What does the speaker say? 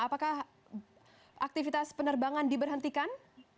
apakah aktivitas penerbangan diberhentikan